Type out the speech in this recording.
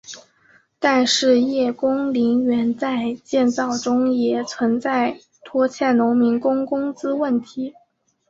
但是叶公陵园在建造中也存在拖欠农民工工资问题。